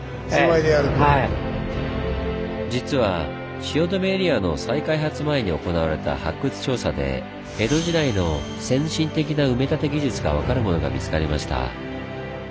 実は汐留エリアの再開発前に行われた発掘調査で江戸時代の先進的な埋め立て技術が分かるものが見つかりました。